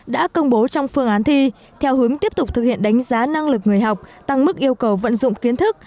đã công bố trong phương án thi theo hướng tiếp tục thực hiện đánh giá năng lực người học tăng mức yêu cầu vận dụng kiến thức